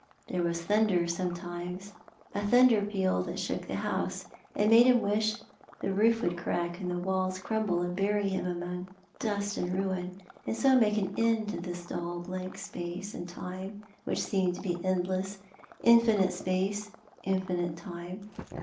There was thunder sometimes Death in Life. 295 —a tlmndcr peal that shook tlie honsc, and made him wish that the roof would crack and the walls crumble, and bury him among dust and ruin, and so make an end of this dull blank space and time which seemed to bo endless — infinite space — infinite time.